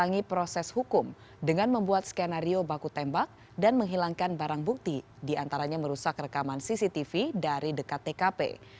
kami proses hukum dengan membuat skenario baku tembak dan menghilangkan barang bukti diantaranya merusak rekaman cctv dari dekat tkp